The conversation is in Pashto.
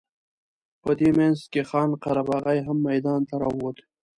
په دې منځ کې خان قره باغي هم میدان ته راووت.